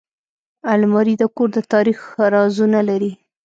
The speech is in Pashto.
الماري د کور د تاریخ رازونه لري